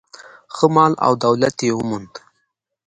ښه مال او دولت یې وموند.